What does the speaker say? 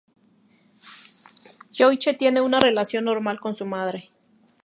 Yoichi tiene una relación normal con su madre.